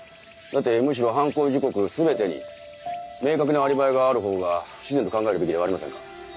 だってむしろ犯行時刻全てに明確なアリバイがあるほうが不自然と考えるべきではありませんか。